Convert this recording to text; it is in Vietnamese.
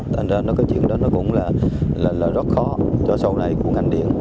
tại ra cái chuyện đó cũng là rất khó cho sau này của ngành điện